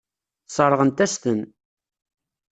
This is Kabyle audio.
Sseṛɣent-as-ten.